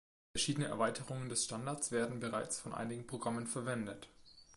Verschiedene Erweiterungen des Standards werden bereits von einigen Programmen verwendet.